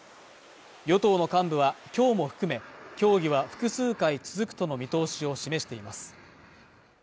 与党の幹部は今日も含め協議は複数回続くとの見通しを示しています